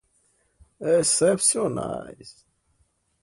excepcionais